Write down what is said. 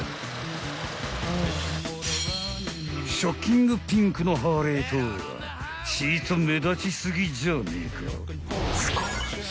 ［ショッキングピンクのハーレーとはちっと目立ち過ぎじゃねえか？］